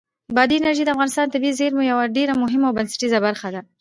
بادي انرژي د افغانستان د طبیعي زیرمو یوه ډېره مهمه او بنسټیزه برخه ده.